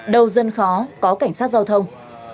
đâu dân khó có cảnh sát giao thông